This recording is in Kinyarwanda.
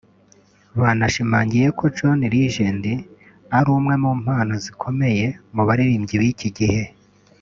Banashimangiye ko John Legend ari umwe mu mpano zikomeye mu baririmbyi b’iki gihe